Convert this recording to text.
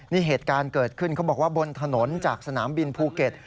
นี่เหตุการณ์เกิดขึ้นเขาบอกว่าบนถนนจากสนามบินภูเก็ต